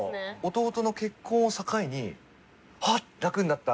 弟の結婚を境にあっ楽になった。